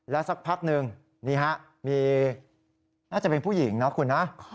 สักพักหนึ่งนี่ฮะมีน่าจะเป็นผู้หญิงนะคุณนะ